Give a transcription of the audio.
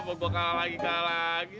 kenapa gue kalah lagi kalah lagi